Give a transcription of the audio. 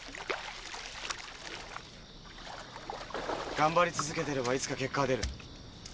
頑張り続けてればいつか結果は出る。